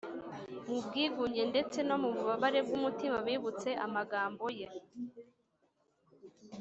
” mu bwigunge ndetse no mu bubabare bw’umutima, bibutse amagambo ye